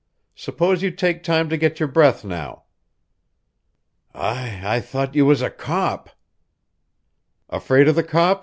"Suppose you take time to get your breath now." "I I thought you was a cop." "Afraid of the cops?"